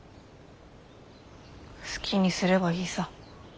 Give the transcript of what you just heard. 好きにすればいいさ。